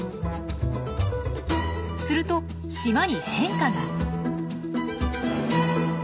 すると島に変化が。